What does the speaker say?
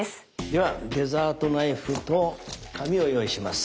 ではデザートナイフと紙を用意します。